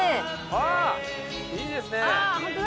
あっいいですね。